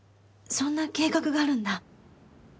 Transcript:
そんな計画があるんだ。